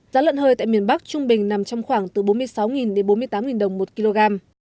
giá lợn hơi tại miền bắc trung bình nằm trong khoảng từ bốn mươi sáu đến bốn mươi tám đồng một kg